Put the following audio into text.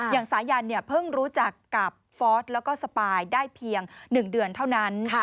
สายันเพิ่งรู้จักกับฟอสแล้วก็สปายได้เพียง๑เดือนเท่านั้น